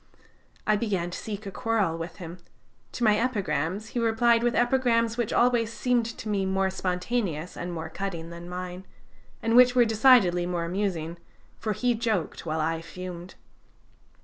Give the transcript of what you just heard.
I began to seek a quarrel with him; to my epigrams he replied with epigrams which always seemed to me more spontaneous and more cutting than mine, and which were decidedly more amusing, for he joked while I fumed.